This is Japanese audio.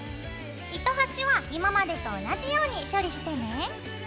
糸端は今までと同じように処理してね。